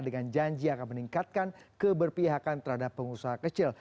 dengan janji akan meningkatkan keberpihakan terhadap pengusaha kecil